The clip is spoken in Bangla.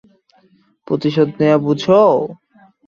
প্রতিশোধ নেয়া বুঝো?